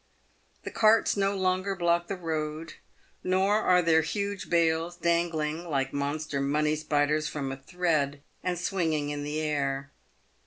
The carts no longer block the road, nor are there huge bales dangling, like monster money spiders from a thread, and swinging in the air.